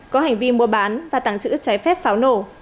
có hành vi mua bán và tàng trữ trái phép pháo nổ